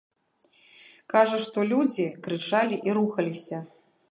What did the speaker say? Кажа, што людзі крычалі і рухаліся.